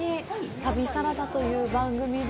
旅サラダという番組で。